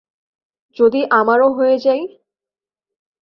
যদি আমারও হয়ে যাই?